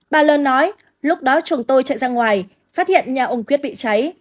bà l nói lúc đó chúng tôi chạy ra ngoài phát hiện nhà ông quyết bị cháy